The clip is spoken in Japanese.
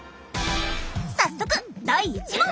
早速第１問。